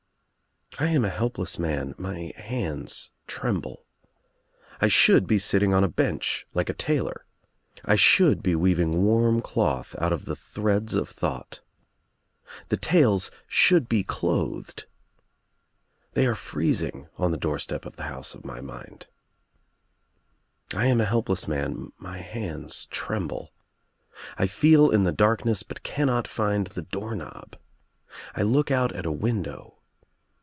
I am a helpless man — my hands Irembte. I should be silting on a bench like a tailor. 1 should be weaving warm cloth oul of the threads of thought. The tales should be clothed. They are fretting on the doorstep of the house of my mind. J am a helpless man — my hands tremble. I feel in the darkness bul cannot find the doorknob. _ J look out al a window.